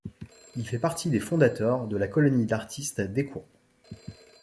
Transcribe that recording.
Il fait partie des fondateurs de la colonie d'artistes d'Écouen.